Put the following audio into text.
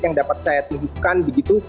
yang dapat saya tunjukkan begitu